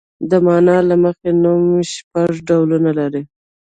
د مانا له مخې نوم شپږ ډولونه لري.